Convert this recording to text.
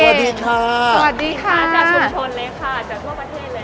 สวัสดีค่ะจะชมชนเลยค่ะจากทั่วประเทศเลย